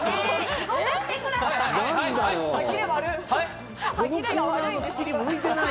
仕事してください。